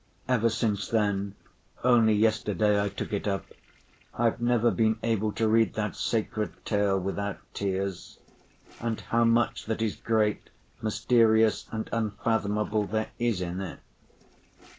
Ever since then—only yesterday I took it up—I've never been able to read that sacred tale without tears. And how much that is great, mysterious and unfathomable there is in it!